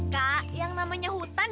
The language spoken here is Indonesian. kak yang namanya hutan